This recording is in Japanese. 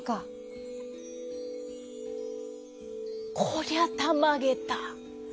「こりゃたまげた！